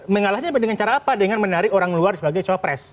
mengalahnya dengan cara apa dengan menarik orang luar sebagai cawapres